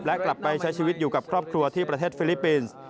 และกลับไปใช้ชีวิตอยู่กับครอบครัวที่ประเทศฟิลิปปินส์